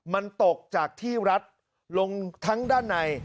มันตกจากที่รัดลงทั้งด้านใน